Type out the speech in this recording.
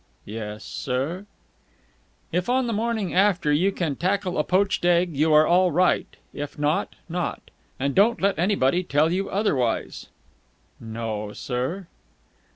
"Yes, sir?" "If, on the morning after, you can tackle a poached egg, you are all right. If not, not. And don't let anybody tell you otherwise." "No, sir."